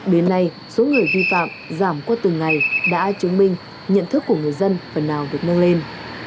đến nay số người vi phạm giảm qua từng ngày đã chứng minh nhận thức của người dân phần nào được nâng lên